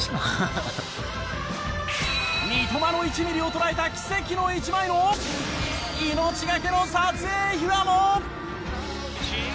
三笘の１ミリを捉えた奇跡の１枚の命がけの撮影秘話も！